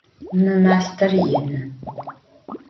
Mı master yinı.